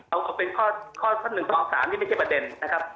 เอาเป็นข้อ๑๒๓นี่ไม่ใช่ประเด็นนะครับ